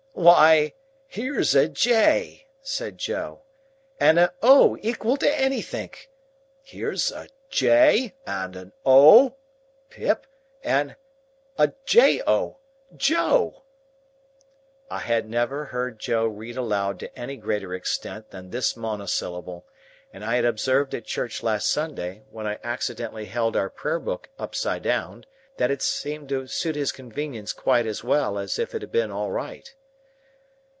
"Why, here's a J," said Joe, "and a O equal to anythink! Here's a J and a O, Pip, and a J O, Joe." I had never heard Joe read aloud to any greater extent than this monosyllable, and I had observed at church last Sunday, when I accidentally held our Prayer Book upside down, that it seemed to suit his convenience quite as well as if it had been all right.